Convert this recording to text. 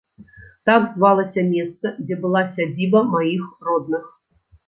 Так звалася месца, дзе была сядзіба маіх родных.